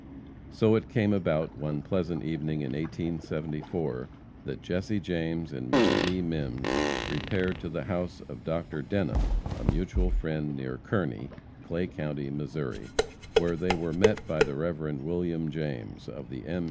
So it came about one pleasant evening in 1874, that Jesse James and Miss Zee Mimms repaired to the house of Dr. Denham, a mutual friend, near Kearney, Clay county, Missouri, where they were met by the Rev. William James, of the M.